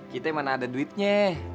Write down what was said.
kita mana ada duitnya